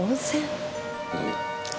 うん。